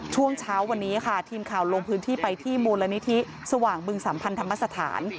ช่วงเช้าวันนี้ค่ะทีมข่าวลงพื้นที่ไปที่มูลนิธิสว่างบึงสัมพันธ์ธรรมสถาน